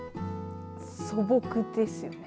素朴ですよね。